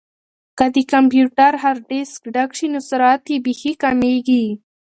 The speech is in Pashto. که د کمپیوټر هارډیسک ډک شي نو سرعت یې بیخي کمیږي.